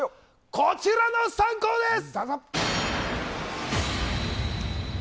こちらの３校です！